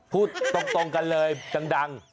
พูดตรงกันเลยดัง